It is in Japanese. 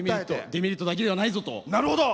デメリットだけではないぞと。